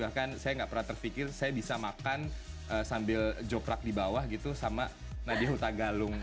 bahkan saya gak pernah terfikir saya bisa makan sambil jokrak di bawah gitu sama nadia huta galung